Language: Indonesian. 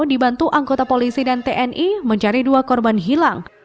dibantu anggota polisi dan tni mencari dua korban hilang